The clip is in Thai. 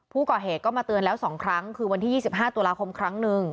ผู้ก่อเหตุก็มาเตือนแล้ว๒ครั้งคือวันที่๒๕ตุลาคมครั้งหนึ่ง